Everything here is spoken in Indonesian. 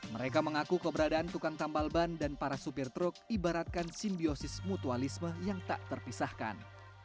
mereka mengaku keberadaan tukang tambal ban dan para supir truk ibaratkan simbiosis mutualisme yang tak terpisahkan